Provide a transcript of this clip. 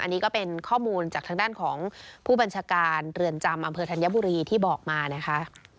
อันนี้ก็เป็นข้อมูลจากทางด้านของผู้บัญชาการเรือนจำอำเภอธัญบุรีที่บอกมานะคะ